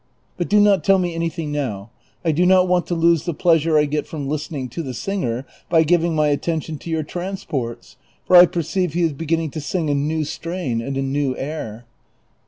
But do not tell me anything now ; I do not want to lose the pleasure I get from listening to the singer by giving my attention to your transports, for I perceive he is beginning to sing a new strain and a new air."